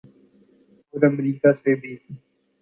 اور امریکہ سے بھی۔